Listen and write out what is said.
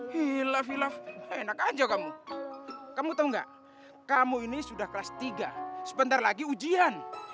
hilaf hilaf enak aja kamu kamu tau enggak kamu ini sudah kelas tiga sebentar lagi ujian